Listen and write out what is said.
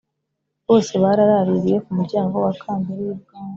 bose barāririye ku muryango wa kambere y’ibwami